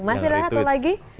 masih ada satu lagi